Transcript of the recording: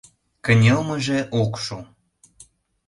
кынелмыже ок шу.